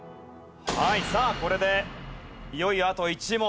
さあこれでいよいよあと１問。